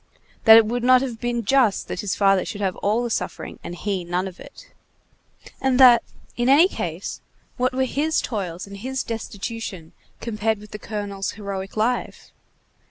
that it would not have been just that his father should have all the suffering, and he none of it; and that, in any case, what were his toils and his destitution compared with the colonel's heroic life?